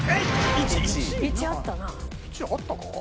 １あったか？